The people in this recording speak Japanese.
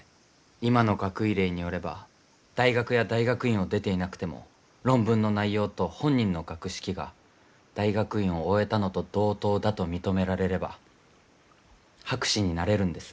今の学位令によれば大学や大学院を出ていなくても論文の内容と本人の学識が大学院を終えたのと同等だと認められれば博士になれるんです。